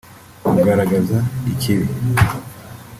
kugaragaza ikibi